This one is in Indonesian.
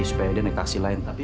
supaya dia naik taksi lain tapi